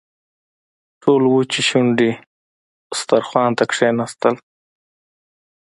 ټول وچې شونډې دسترخوان ته کښېناستل.